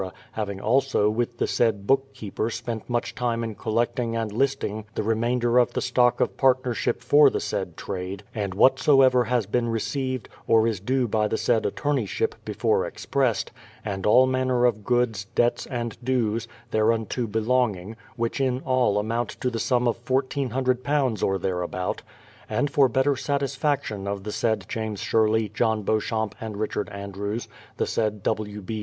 having also with the said book keeper spent much time in collecting and listing the remainder of the stock of partnership for the said trade, and whatsoever has been received, or is due by the said attorneyship before expressed, and all manner of goods, debts, and dues, thereunto belonging, which in all amount to the sum of ii400 or thereabout; and for better satisfaction of the said James Sherlej'^, John Beauchamp, and Richard Andrews, the said W. B.